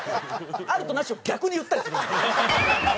「ある」と「なし」を逆に言ったりするんで。